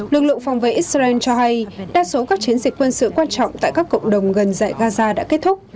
lực lượng phòng vệ israel cho hay đa số các chiến dịch quân sự quan trọng tại các cộng đồng gần giải gaza đã kết thúc